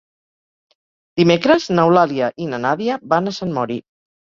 Dimecres n'Eulàlia i na Nàdia van a Sant Mori.